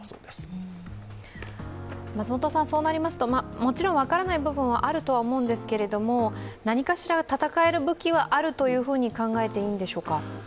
もちろん分からない部分はあるとは思うんですけれども何かしら闘える武器はあると考えていいんでしょうか。